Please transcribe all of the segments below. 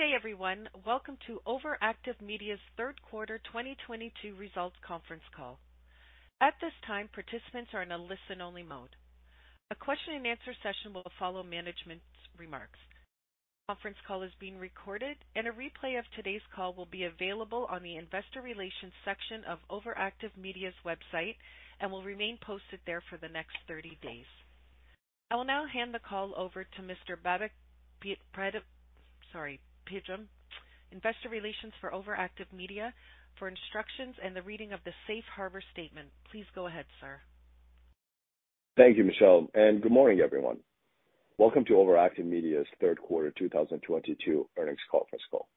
Good day, everyone. Welcome to OverActive Media's third quarter 2022 results conference call. At this time, participants are in a listen-only mode. A question and answer session will follow management's remarks. Conference call is being recorded, and a replay of today's call will be available on the Investor Relations section of OverActive Media's website and will remain posted there for the next 30 days. I will now hand the call over to Mr. Babak Pedram, Investor Relations for OverActive Media, for instructions and the reading of the Safe Harbor Statement. Please go ahead, sir. Thank you, Michelle, and good morning, everyone. Welcome to OverActive Media's third quarter 2022 earnings conference call.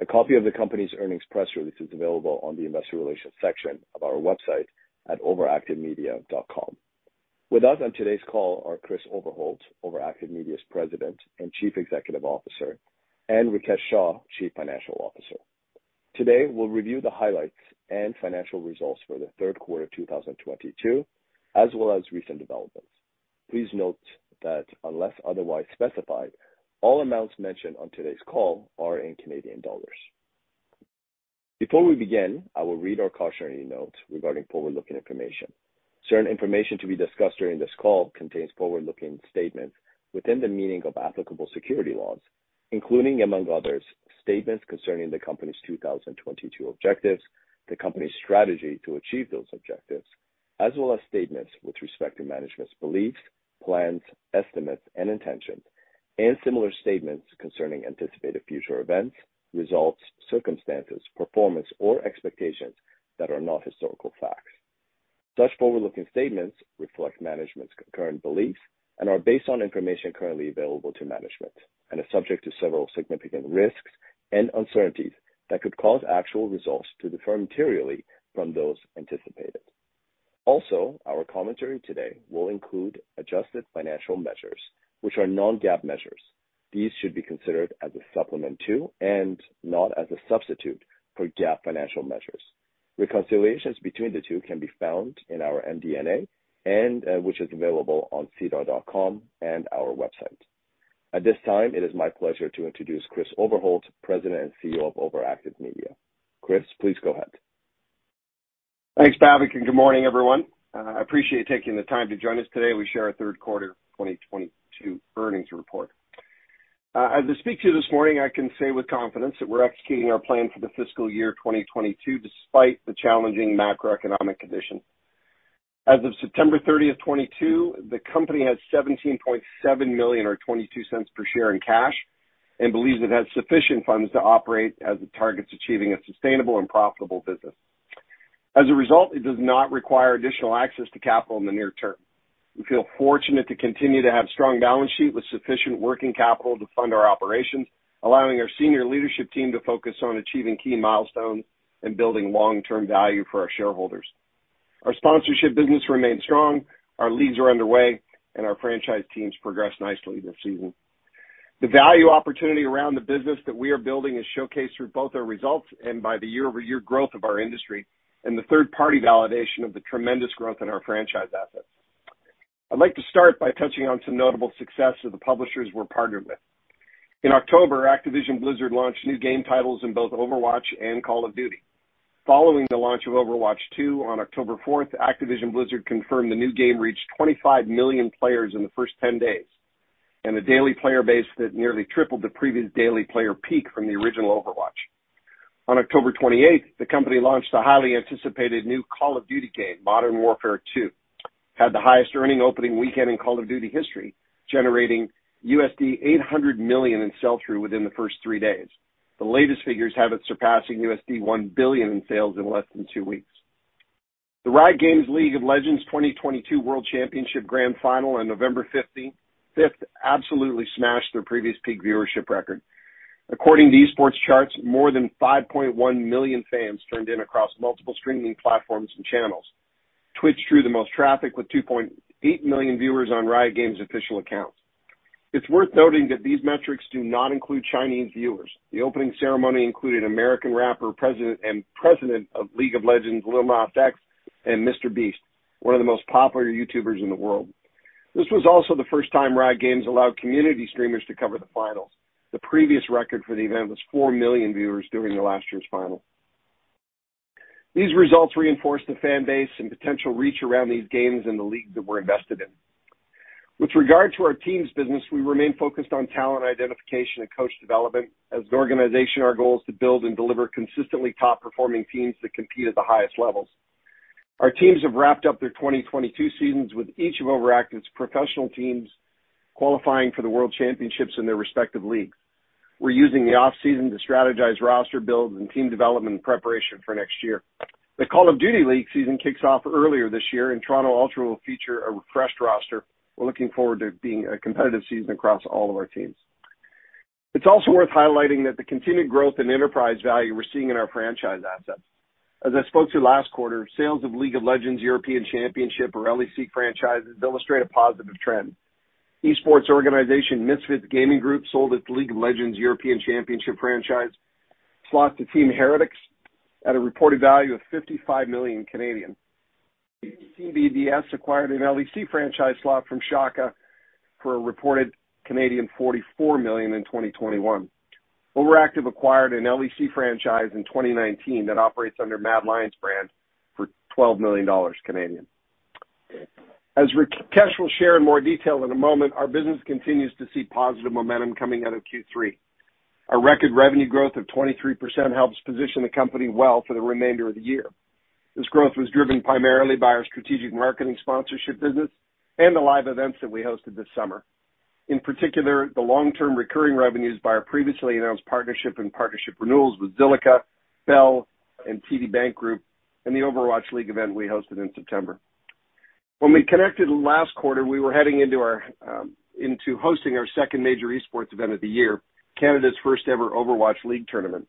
A copy of the company's earnings press release is available on the Investor Relations section of our website at overactivemedia.com. With us on today's call are Chris Overholt, OverActive Media's President and Chief Executive Officer, and Rikesh Shah, Chief Financial Officer. Today, we'll review the highlights and financial results for the third quarter 2022, as well as recent developments. Please note that unless otherwise specified, all amounts mentioned on today's call are in Canadian dollars. Before we begin, I will read our cautionary note regarding forward-looking information. Certain information to be discussed during this call contains forward-looking statements within the meaning of applicable securities laws, including, among others, statements concerning the company's 2022 objectives, the company's strategy to achieve those objectives, as well as statements with respect to management's beliefs, plans, estimates, and intentions, and similar statements concerning anticipated future events, results, circumstances, performance, or expectations that are not historical facts. Such forward-looking statements reflect management's current beliefs and are based on information currently available to management and are subject to several significant risks and uncertainties that could cause actual results to differ materially from those anticipated. Also, our commentary today will include adjusted financial measures, which are non-GAAP measures. These should be considered as a supplement to and not as a substitute for GAAP financial measures. Reconciliations between the two can be found in our MD&A, which is available on SEDAR+ and our website. At this time, it is my pleasure to introduce Chris Overholt, President and CEO of OverActive Media. Chris, please go ahead. Thanks, Babak. Good morning, everyone. I appreciate you taking the time to join us today as we share our third quarter 2022 earnings report. As I speak to you this morning, I can say with confidence that we're executing our plan for the fiscal year 2022 despite the challenging macroeconomic conditions. As of September 30th 2022, the company has 17.7 million or 0.22 per share in cash and believes it has sufficient funds to operate as it targets achieving a sustainable and profitable business. As a result, it does not require additional access to capital in the near term. We feel fortunate to continue to have strong balance sheet with sufficient working capital to fund our operations, allowing our senior leadership team to focus on achieving key milestones and building long-term value for our shareholders. Our sponsorship business remains strong, our leagues are underway, and our franchise teams progress nicely this season. The value opportunity around the business that we are building is showcased through both our results and by the year-over-year growth of our industry and the third-party validation of the tremendous growth in our franchise assets. I'd like to start by touching on some notable success of the publishers we're partnered with. In October, Activision Blizzard launched new game titles in both Overwatch and Call of Duty. Following the launch of Overwatch 2 on October 4th, Activision Blizzard confirmed the new game reached 25 million players in the first 10 days, and a daily player base that nearly tripled the previous daily player peak from the original Overwatch. On October 28th, the company launched the highly anticipated new Call of Duty Game: Modern Warfare II. Had the highest-earning opening weekend in Call of Duty history, generating $800 million in sell-through within the first three days. The latest figures have it surpassing $1 billion in sales in less than two weeks. The Riot Games League of Legends 2022 World Championship Grand Final on November 5th absolutely smashed their previous peak viewership record. According to Esports Charts, more than 5.1 million fans tuned in across multiple streaming platforms and channels. Twitch drew the most traffic with 2.8 million viewers on Riot Games official accounts. It's worth noting that these metrics do not include Chinese viewers. The opening ceremony included American rapper, President, and President of League of Legends, Lil Nas X and MrBeast, one of the most popular YouTubers in the world. This was also the first time Riot Games allowed community streamers to cover the finals. The previous record for the event was four million viewers during the last year's final. These results reinforce the fan base and potential reach around these games and the leagues that we're invested in. With regard to our teams' business, we remain focused on talent identification and coach development. As an organization, our goal is to build and deliver consistently top-performing teams that compete at the highest levels. Our teams have wrapped up their 2022 seasons, with each of OverActive's professional teams qualifying for the World Championships in their respective leagues. We're using the off-season to strategize roster builds and team development preparation for next year. The Call of Duty League season kicks off earlier this year, and Toronto Ultra will feature a refreshed roster. We're looking forward to it being a competitive season across all of our teams. It's also worth highlighting that the continued growth and enterprise value we're seeing in our franchise assets. As I spoke to you last quarter, sales of League of Legends European Championship, or LEC franchises, illustrate a positive trend. Esports organization Misfits Gaming Group sold its League of Legends European Championship franchise slot to Team Heretics at a reported value of 55 million. Team BDS acquired an LEC franchise slot from FC Schalke 04 for a reported 44 million Canadian dollars in 2021. OverActive acquired an LEC franchise in 2019 that operates under MAD Lions brand for 12 million Canadian dollars. As Rikesh will share in more detail in a moment, our business continues to see positive momentum coming out of Q3. Our record revenue growth of 23% helps position the company well for the remainder of the year. This growth was driven primarily by our strategic marketing sponsorship business and the live events that we hosted this summer. In particular, the long-term recurring revenues by our previously announced partnership and partnership renewals with Zilliqa, Bell, and TD Bank Group and the Overwatch League event we hosted in September. When we connected last quarter, we were heading into hosting our second major Esports event of the year, Canada's first-ever Overwatch League tournament.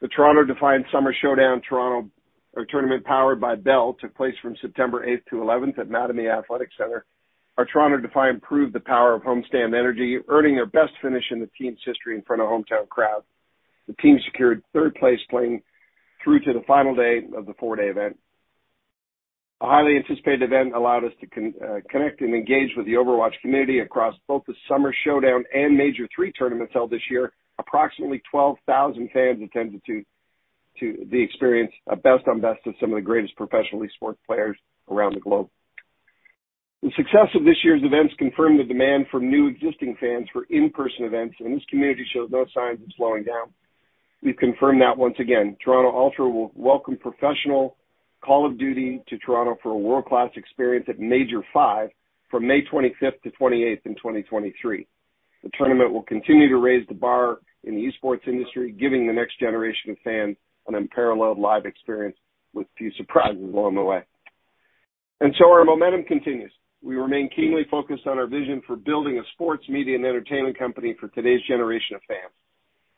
The Toronto Defiant Summer Showdown Tournament Powered by Bell took place from September 8-11 at Mattamy Athletic Centre. Our Toronto Defiant proved the power of homestand energy, earning their best finish in the team's history in front of a hometown crowd. The team secured third place, playing through to the final day of the four-day event. A highly anticipated event allowed us to connect and engage with the Overwatch community across both the Summer Showdown and Major three tournaments held this year. Approximately 12,000 fans attended to the experience of best on best of some of the greatest professional Esports players around the globe. The success of this year's events confirmed the demand from new, existing fans for in-person events, and this community shows no signs of slowing down. We've confirmed that once again, Toronto Ultra will welcome professional Call of Duty to Toronto for a world-class experience at Major five from May 25th-28th in 2023. The tournament will continue to raise the bar in the Esports industry, giving the next generation of fans an unparalleled live experience with a few surprises along the way. Our momentum continues. We remain keenly focused on our vision for building a sports media and entertainment company for today's generation of fans.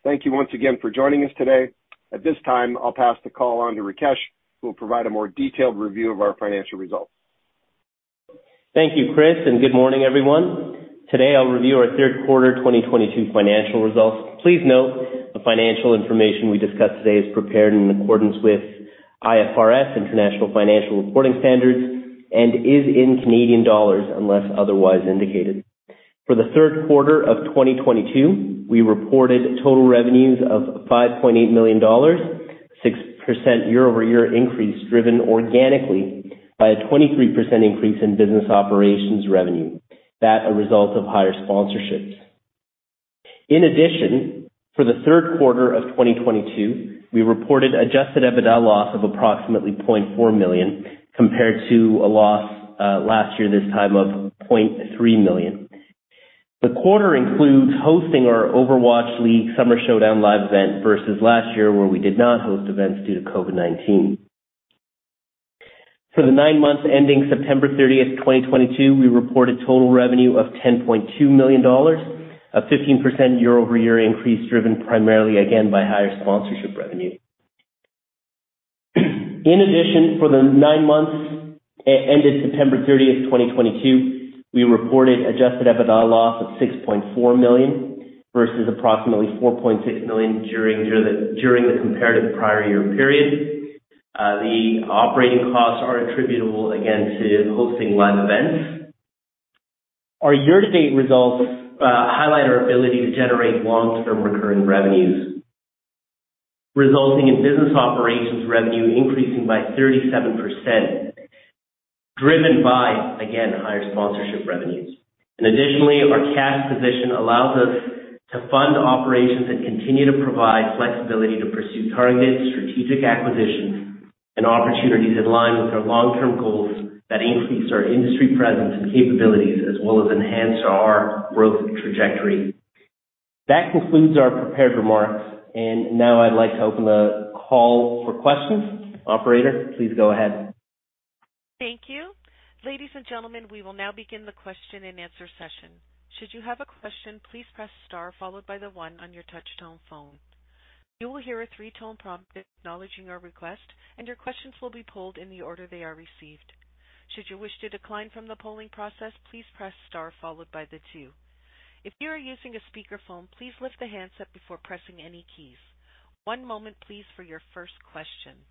Thank you once again for joining us today. At this time, I'll pass the call on to Rikesh, who will provide a more detailed review of our financial results. Thank you, Chris, and good morning, everyone. Today, I'll review our third quarter 2022 financial results. Please note the financial information we discuss today is prepared in accordance with IFRS, International Financial Reporting Standards, and is in Canadian dollars, unless otherwise indicated. For the third quarter of 2022, we reported total revenues of 5.8 million dollars, 6% year-over-year increase driven organically by a 23% increase in business operations revenue, that a result of higher sponsorships. In addition, for the third quarter of 2022, we reported adjusted EBITDA loss of approximately 0.4 million compared to a loss last year this time of 0.3 million. The quarter includes hosting our Overwatch League Summer Showdown live event versus last year, where we did not host events due to COVID-19. For the nine months ending September 30th, 2022, we reported total revenue of 10.2 million dollars, a 15% year-over-year increase, driven primarily again by higher sponsorship revenue. In addition, for the nine months ended September 30th, 2022, we reported adjusted EBITDA loss of 6.4 million versus approximately 4.6 million during the comparative prior year period. The operating costs are attributable again to hosting live events. Our year-to-date results highlight our ability to generate long-term recurring revenues, resulting in business operations revenue increasing by 37%, driven by, again, higher sponsorship revenues. Additionally, our cash position allows us to fund operations and continue to provide flexibility to pursue targeted strategic acquisitions and opportunities in line with our long-term goals that increase our industry presence and capabilities, as well as enhance our growth trajectory. That concludes our prepared remarks. Now I'd like to open the call for questions. Operator, please go ahead. Thank you. Ladies and gentlemen, we will now begin the question-and-answer session. Should you have a question, please press star followed by the one on your touch-tone phone. You will hear a three-tone prompt acknowledging your request, and your questions will be pulled in the order they are received. Should you wish to decline from the polling process, please press star followed by the two. If you are using a speakerphone, please lift the handset before pressing any keys. One moment, please, for your first question.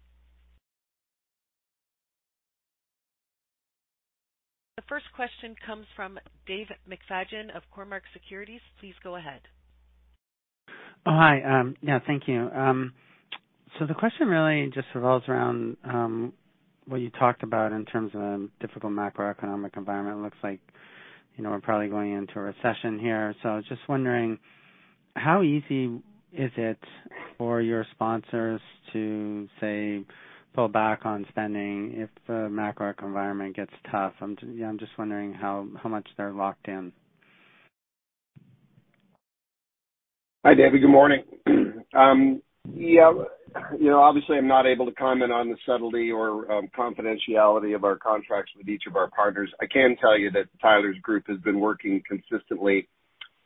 The first question comes from David McFadgen of Cormark Securities. Please go ahead. Hi. Yeah, thank you. The question really just revolves around what you talked about in terms of difficult macroeconomic environment. It looks like, you know, we're probably going into a recession here. I was just wondering how easy is it for your sponsors to, say, pull back on spending if the macro environment gets tough? I'm, you know, just wondering how much they're locked in. Hi, David. Good morning. Yeah, you know, obviously, I'm not able to comment on the subtlety or confidentiality of our contracts with each of our partners. I can tell you that Tyler's group has been working consistently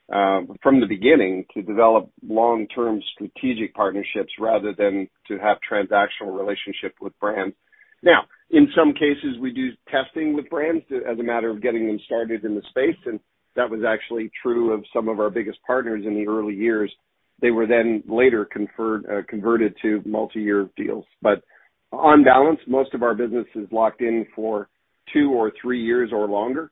from the beginning to develop long-term strategic partnerships rather than to have transactional relationship with brands. Now, in some cases, we do testing with brands as a matter of getting them started in the space, and that was actually true of some of our biggest partners in the early years. They were then later converted to multi-year deals. On balance, most of our business is locked in for two or three years or longer.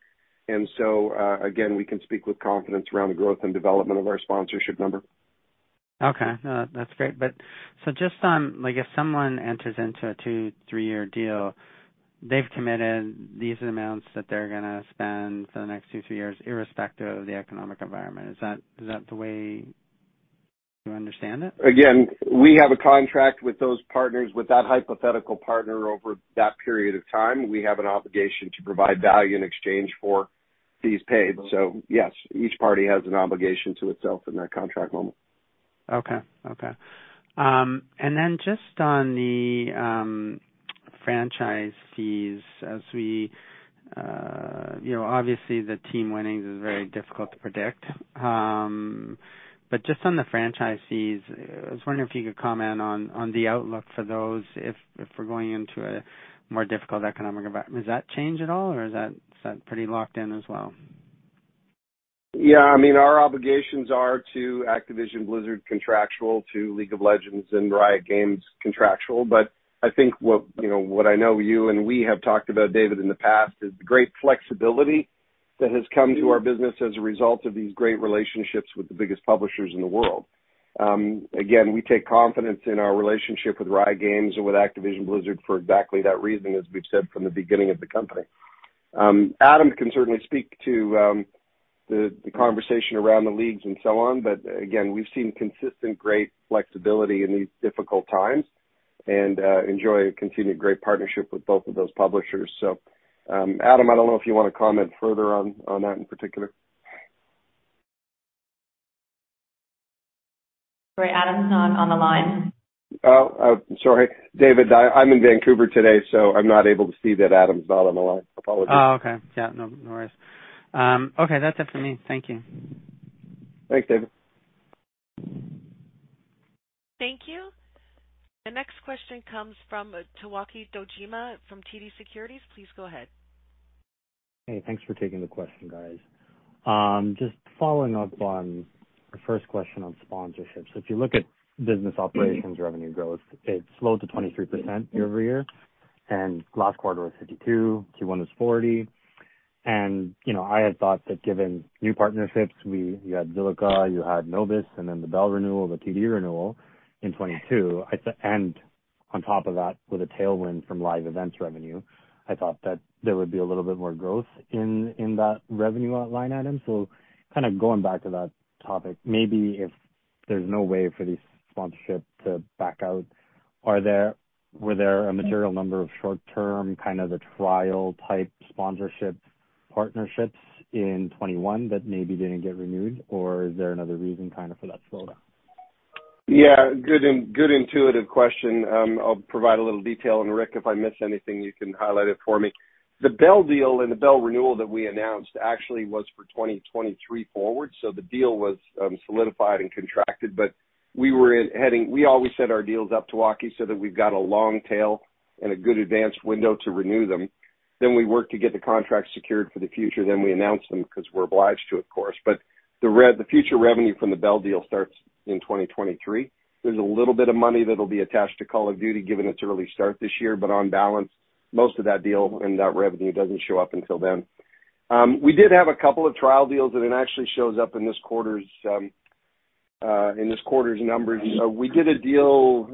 Again, we can speak with confidence around the growth and development of our sponsorship number. Okay, no, that's great. Just on like if someone enters into a two-three year deal, they've committed these amounts that they're gonna spend for the next two-three years irrespective of the economic environment. Is that the way you understand it? Again, we have a contract with that hypothetical partner over that period of time. We have an obligation to provide value in exchange for fees paid. Yes, each party has an obligation to itself in that contract moment. Okay. You know, obviously the team winnings is very difficult to predict. Just on the franchisees, I was wondering if you could comment on the outlook for those if we're going into a more difficult economic environment. Does that change at all or is that pretty locked in as well? Yeah. I mean, our obligations are to Activision Blizzard, contractual, to League of Legends and Riot Games, contractual. I think, you know, what I know you and we have talked about, David, in the past is the great flexibility that has come to our business as a result of these great relationships with the biggest publishers in the world. Again, we take confidence in our relationship with Riot Games and with Activision Blizzard for exactly that reason, as we've said from the beginning of the company. Adam can certainly speak to the conversation around the leagues and so on, but again, we've seen consistent great flexibility in these difficult times and enjoy a continued great partnership with both of those publishers. Adam, I don't know if you wanna comment further on that in particular. Sorry, Adam's not on the line. Oh, sorry, David. I'm in Vancouver today, so I'm not able to see that Adam's not on the line. Apologies. Oh, okay. Yeah, no worries. Okay, that's it for me. Thank you. Thanks, David. Thank you. The next question comes from Towaki Dojima from TD Securities. Please go ahead. Hey, thanks for taking the question, guys. Just following up on the first question on sponsorships. If you look at business operations revenue growth, it slowed to 23% year-over-year and last quarter was 52%, Q1 was 40%. You know, I had thought that given new partnerships, you had Zilliqa, you had Nobis, and then the Bell renewal, the TD renewal in 2022. On top of that with a tailwind from live events revenue, I thought that there would be a little bit more growth in that revenue line item. Kind of going back to that topic, maybe if there's no way for these sponsorship to back out, were there a material number of short-term, kind of a trial type sponsorship partnerships in 2021 that maybe didn't get renewed, or is there another reason kind of for that slowdown? Yeah. Good in-good intuitive question. Um, I'll provide a little detail, and Rik, if I miss anything you can highlight it for me. The Bell deal and the Bell renewal that we announced actually was for 2023 forward. So the deal was, um, solidified and contracted, but we were in heading -- we always set our deals up Towaki so that we've got a long tail and a good advanced window to renew them. Then we work to get the contract secured for the future, then we announce them because we're obliged to of course. But the re-- the future revenue from the Bell deal starts in 2023. There's a little bit of money that'll be attached to Call of Duty given its early start this year, but on balance most of that deal and that revenue doesn't show up until then. We did have a couple of trial deals and it actually shows up in this quarter's numbers. We did a deal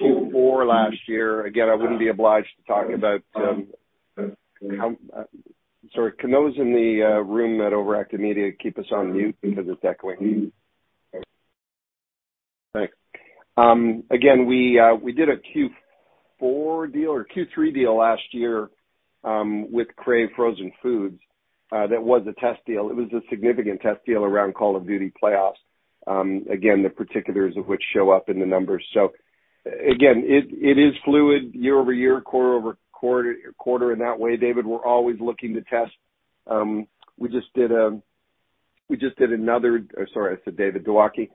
Q4 last year. Sorry, can those in the room at OverActive Media keep us on mute because it's echoing? Thanks. Again, we did a Q4 deal or Q3 deal last year with Crave Frozen Foods. That was a test deal. It was a significant test deal around Call of Duty playoffs. Again, the particulars of which show up in the numbers. Again, it is fluid year-over-year, quarter-over-quarter in that way, David. We're always looking to test. We just did another. Sorry, I said David, Towaki.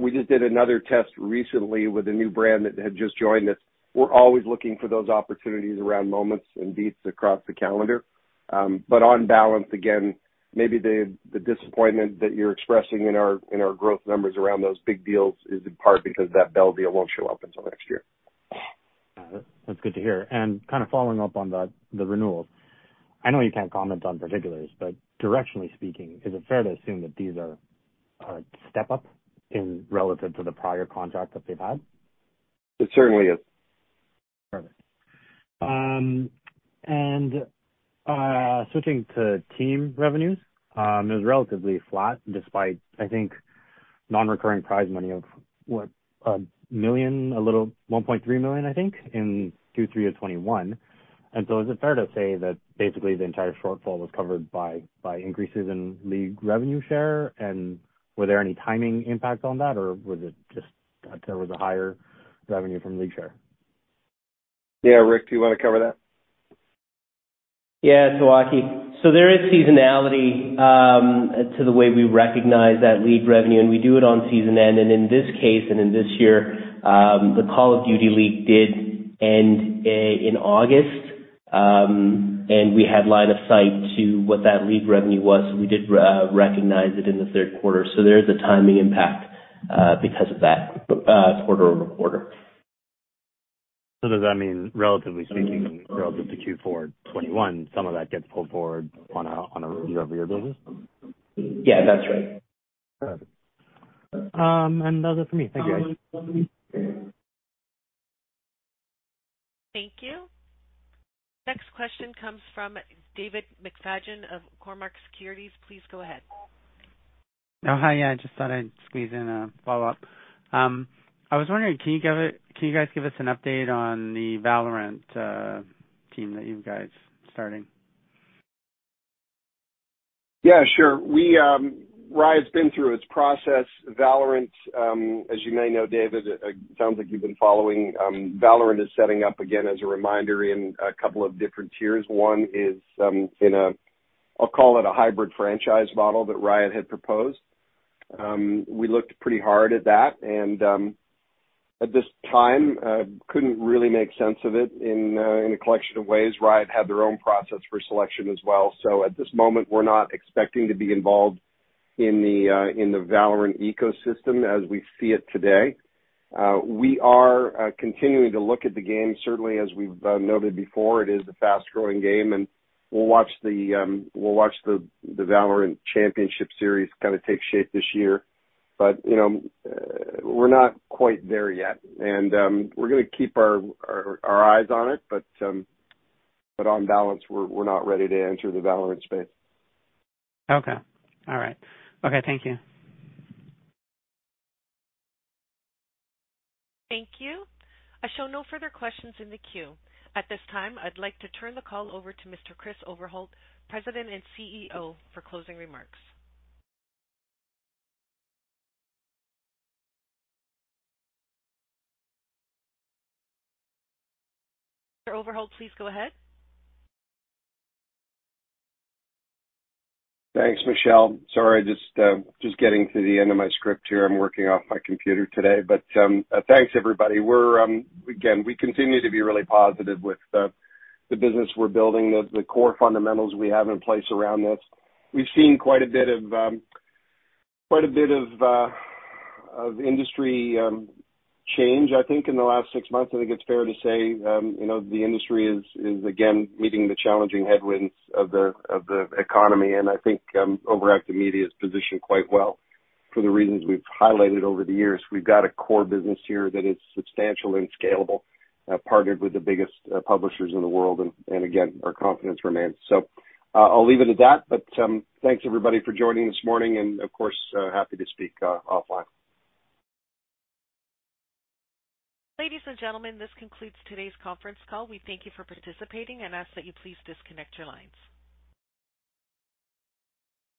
We just did another test recently with a new brand that had just joined us. We're always looking for those opportunities around moments and beats across the calendar. On balance again, maybe the disappointment that you're expressing in our growth numbers around those big deals is in part because that Bell deal won't show up until next year. That's good to hear. Kind of following up on the renewals, I know you can't comment on particulars, but directionally speaking, is it fair to assume that these are a step up in relative to the prior contract that they've had? It certainly is. Perfect. Switching to team revenues, it was relatively flat despite I think non-recurring prize money of what 1 million, a little 1.3 million I think in Q3 of 2021. Is it fair to say that basically the entire shortfall was covered by increases in league revenue share? Were there any timing impact on that or was it just there was a higher revenue from league share? Yeah. Rik, do you wanna cover that? Yeah, Towaki. There is seasonality to the way we recognize that league revenue and we do it on season end. In this case and in this year, the Call of Duty League did end in August. We had line of sight to what that league revenue was. We did re-recognize it in the third quarter. There is a timing impact because of that quarter-over-quarter. Does that mean, relatively speaking, relative to Q4 2021, some of that gets pulled forward on a year-over-year basis? Yeah, that's right. Got it. That is for me. Thank you, guys. Thank you. Next question comes from David McFadgen of Cormark Securities. Please go ahead. Oh, hi. I just thought I'd squeeze in a follow-up. I was wondering, can you guys give us an update on the VALORANT team that you guys starting? Yeah, sure. Riot's been through its process. VALORANT, as you may know, David, it sounds like you've been following. VALORANT is setting up again, as a reminder, in a couple of different tiers. One is in a, I'll call it a hybrid franchise model that Riot had proposed. We looked pretty hard at that and, at this time, couldn't really make sense of it in a collection of ways. Riot had their own process for selection as well. At this moment we're not expecting to be involved in the VALORANT ecosystem as we see it today. We are continuing to look at the game. Certainly, as we've noted before, it is a fast-growing game, and we'll watch the VALORANT Championship Series kind of take shape this year. You know, we're not quite there yet. We're gonna keep our eyes on it. On balance, we're not ready to enter the VALORANT space. Okay. All right. Okay. Thank you. Thank you. I show no further questions in the queue. At this time, I'd like to turn the call over to Mr. Chris Overholt, President and CEO, for closing remarks. Mr. Overholt, please go ahead. Thanks, Michelle. Sorry, just getting to the end of my script here. I'm working off my computer today. Thanks everybody. Again, we continue to be really positive with the business we're building, the core fundamentals we have in place around this. We've seen quite a bit of industry change, I think, in the last six months. I think it's fair to say, you know, the industry is again meeting the challenging headwinds of the economy. I think OverActive Media is positioned quite well for the reasons we've highlighted over the years. We've got a core business here that is substantial and scalable, partnered with the biggest publishers in the world. Again, our confidence remains. I'll leave it at that. Thanks everybody for joining this morning, and of course, happy to speak offline. Ladies and gentlemen, this concludes today's conference call. We thank you for participating and ask that you please disconnect your lines.